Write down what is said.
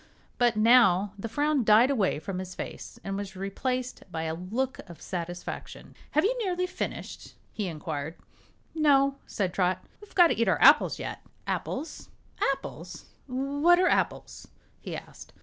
But now the frown died away from his face and was replaced by a look of satisfaction. "Have you nearly finished?" he inquired. "No," said Trot; "we've got to eat our apples yet." "Apples apples? What are apples?" he asked.